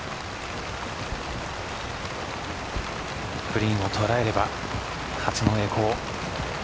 グリーンを捉えれば初の栄光。